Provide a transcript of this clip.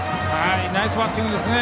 ナイスバッティングですね。